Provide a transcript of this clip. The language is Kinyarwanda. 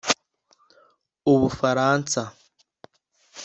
U Bufaransa